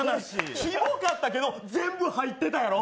きもかったけど、全部入ってたやろう？